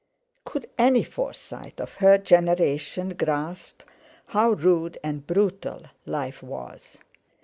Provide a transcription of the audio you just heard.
Could any Forsyte of her generation grasp how rude and brutal life was?